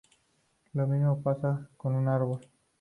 Lo mismo pasa con un árbol.